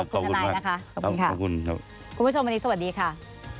ขอบคุณมากขอบคุณค่ะคุณผู้ชมวันนี้สวัสดีค่ะ